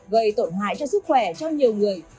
gây tổn hại cho sức khỏe cho nhiều người